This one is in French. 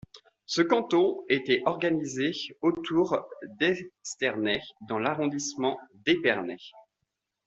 Ce canton était organisé autour d'Esternay dans l'arrondissement d'Épernay.